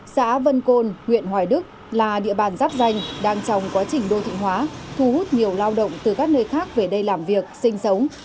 xã vân côn huyện hoài đức là địa bàn giáp danh đang trong quá trình đô thị hóa thu hút nhiều lao động từ các nơi khác về đây làm việc sinh sống